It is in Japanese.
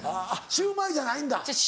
シューマイじゃない。